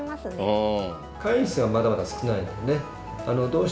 うん。